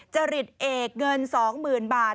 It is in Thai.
จะหลีดเอกเงิน๒๐๐๐๐บาท